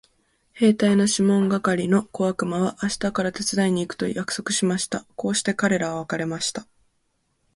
兵隊のシモン係の小悪魔は明日から手伝いに行くと約束しました。こうして彼等は別れました。